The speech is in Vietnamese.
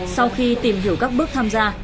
sau khi tìm hiểu các bước tham gia